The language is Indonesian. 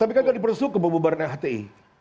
tapi kan kan di proses hukum membubarkan hti